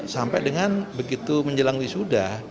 sampai dengan begitu menjelang wisuda